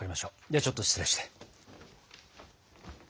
ではちょっと失礼して。